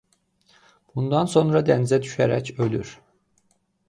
Bundan sonra dənizə düşərək ölür.